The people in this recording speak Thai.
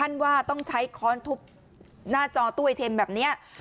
ว่าต้องใช้ค้อนทุบหน้าจอตู้ไอเทมแบบนี้